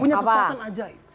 punya kekuatan ajaib